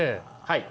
はい。